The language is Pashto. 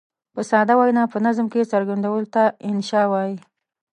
په ساده وینا په نظم کې څرګندولو ته انشأ وايي.